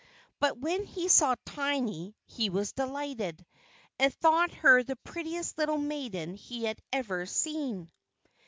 But when he saw Tiny, he was delighted, and thought her the prettiest little maiden he had ever seen.